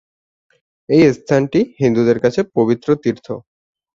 এই স্থানটি হিন্দুদের কাছে পবিত্র তীর্থ।